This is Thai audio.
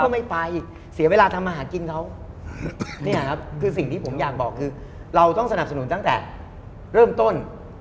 ให้ร้อยหนึ่งอ่ะไปดูบอล